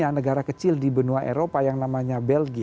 ada negara dengan sadaran benih bergantung pada santra urtik